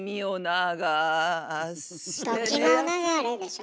「時の流れ」でしょ。